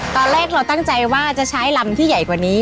ตอนแรกเราตั้งใจว่าจะใช้ลำที่ใหญ่กว่านี้